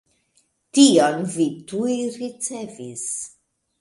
Tion vi tuj ricevis.